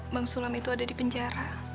bang sulam itu ada di penjara